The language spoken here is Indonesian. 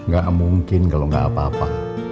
gak mungkin kalau nggak apa apa